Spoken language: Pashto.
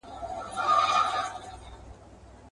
ټگان تللي وه د وخته پر آسونو.